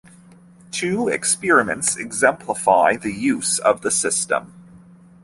Two experiments exemplify the use of the system.